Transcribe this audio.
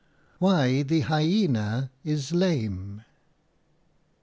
WHY THE HYENA IS LAME.